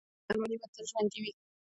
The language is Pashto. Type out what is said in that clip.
پښتونولي به تل ژوندي وي.